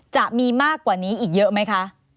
จะมีมากกว่านี้อีกเยอะไหมคะ